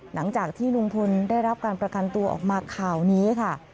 หลังจากที่ลุงพลได้รับการประกันตัวออกมาข่าวนี้ค่ะ